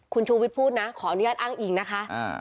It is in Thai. คุณชูวิทย์พูดนะขออนุญาตอ้างอิงนะคะ